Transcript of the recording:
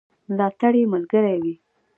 ملاتړ ملګری وي.